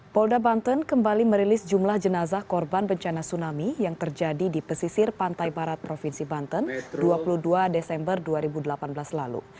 polda banten kembali merilis jumlah jenazah korban bencana tsunami yang terjadi di pesisir pantai barat provinsi banten dua puluh dua desember dua ribu delapan belas lalu